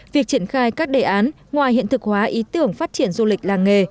việc triển khai các đề án ngoài hiện thực hóa ý tưởng phát triển du lịch làng nghề